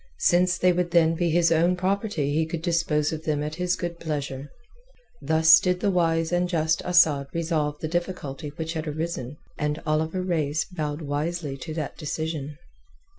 Since they would then be his own property he could dispose of them at his good pleasure. Thus did the wise and just Asad resolve the difficulty which had arisen, and Oliver Reis bowed wisely to that decision.